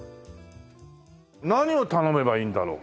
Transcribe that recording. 何を頼めばいいんだろう？